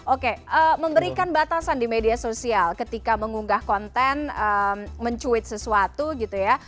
oke memberikan batasan di media sosial ketika mengunggah konten mencuit sesuatu gitu ya